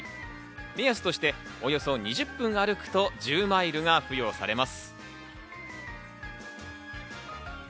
目安としておよそ２０分歩くと１０マイルが付与されます。